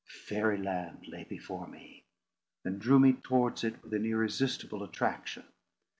Fairy Land lay before me, and drew me towards it with an irresistible attraction.